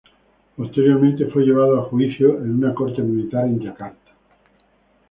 Posteriormente fue llevado a juicio en una corte militar en Yakarta.